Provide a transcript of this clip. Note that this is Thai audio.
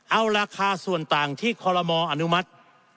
เอาราคาส่วนต่างที่คอลโลมออนุมัติ